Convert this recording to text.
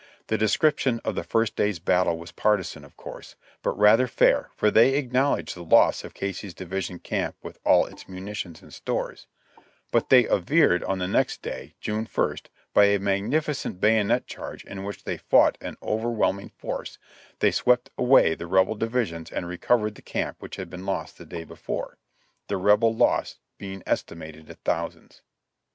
The description of the first day's battle was partisan, of course, but rather fair, for they acknowl edged the loss of Casey's division camp with all its munitions and stores; but they averred on the next day, June ist, by a magnificent bayonet charge in which they had fought an over whelming force, they swept away the Rebel divisions and recov ered the camp which had been lost the day before; the Rebel loss being estimated at thousands.